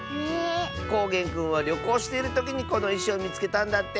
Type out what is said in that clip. こうげんくんはりょこうしているときにこのいしをみつけたんだって！